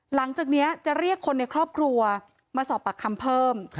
หลังจากนี้จะเรียกคนในครอบครัวมาสอบปากคำเพิ่ม